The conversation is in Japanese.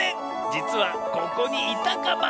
じつはここにいたカマ。